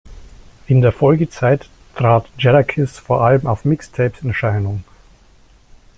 In der Folgezeit trat Jadakiss vor allem auf Mixtapes in Erscheinung.